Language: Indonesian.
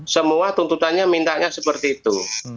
semua tuntutannya mintanya seperti itu